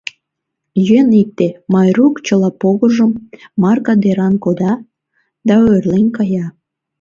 Йӧн икте: Майрук чыла погыжым Марка деран кода да ойырлен кая.